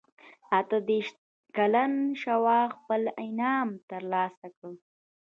اته دېرش کلن شواب خپل انعام ترلاسه کړ.